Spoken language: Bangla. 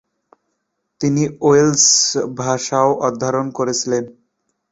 তিনি ওয়েলশ ভাষাও অধ্যয়ন করেছিলেন।